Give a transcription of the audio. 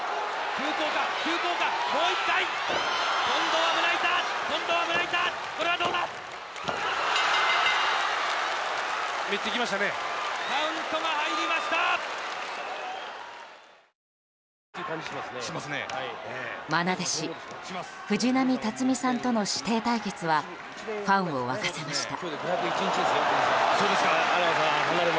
愛弟子・藤波辰爾さんとの師弟対決はファンを沸かせました。